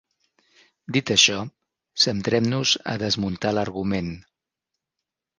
Dit això, centrem-nos a desmuntar l’argument.